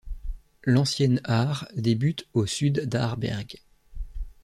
L’ancienne Aar débute au sud d’Aarberg.